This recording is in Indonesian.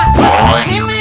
ke rumah memi